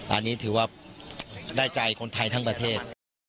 อันนี้ถือว่าได้ใจคนไทยทั้งประเทศ